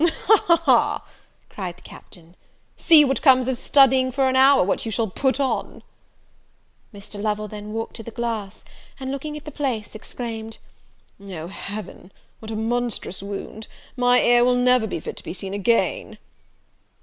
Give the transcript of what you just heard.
"Ha, ha, ha," cried the Captain, "see what comes of studying for an hour what you shall put on!" Mr. Lovel then walked to the glass; and, looking at the place, exclaimed, "Oh heaven, what a monstrous wound! my ear will never be fit to be seen again!"